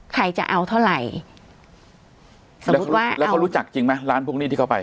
ใครจะเอาเท่าไหร่แล้วเขารู้จักจริงไหมร้านพวกนี้ที่เขาไป